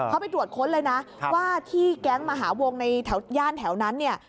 เขาไปดวนค้นเลยนะว่าที่แก๊งมหาวงศ์ในย่านแถวนั้น